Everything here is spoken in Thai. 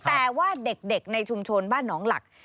แต่ว่าเด็กในชุมชนบ้านหนองหลัก